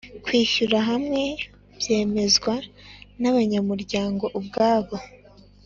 kwishyira hamwe byemezwa n’abanyamuryango ubwabo